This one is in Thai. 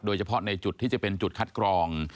โดยเฉพาะในจุดที่จะเป็นจุดคัดกรอง